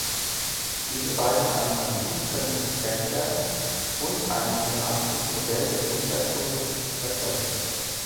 Diese beiden Anomalien können getrennt werden und ein mathematisches Modell des Untergrundes erzeugen.